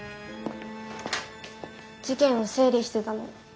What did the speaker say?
事件を整理してたの。